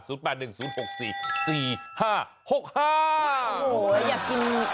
โอ๊ยอยากกินก๋วยเตี๋ยวหนึ่ง